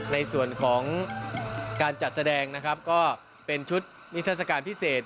ในส่วนของการจัดแสดงนะครับก็เป็นชุดนิทัศกาลพิเศษ